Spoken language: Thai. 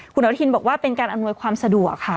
คุณอนุทินบอกว่าเป็นการอำนวยความสะดวกค่ะ